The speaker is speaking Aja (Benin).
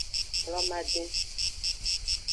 Hlomadin.